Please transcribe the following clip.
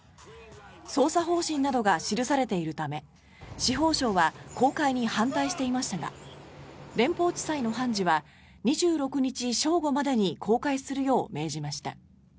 捜査方針などが記されているため司法省は公開に反対していましたが連邦地裁の判事は２６日正午までに公開するよう命じました。